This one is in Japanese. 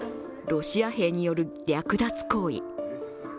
ロシア兵による略奪行為。